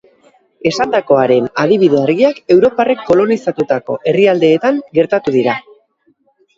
Esandakoaren adibide argiak europarrek kolonizatutako herrialdeetan gertatu dira.